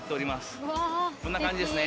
こんな感じですね。